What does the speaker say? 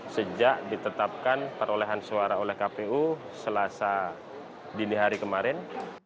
sejak ditetapkan perolehan suara oleh kpu selasa dini hari kemarin